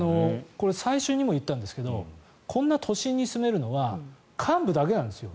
最初にも言ったんですけどこんな都心に住めるのは幹部だけなんです。